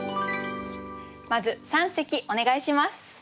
まず三席お願いします。